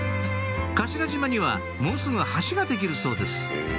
頭島にはもうすぐ橋ができるそうです